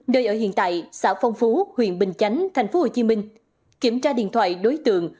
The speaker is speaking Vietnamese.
nơi ở hiện tại xã phong phú huyện bình chánh tp hcm kiểm tra điện thoại đối tượng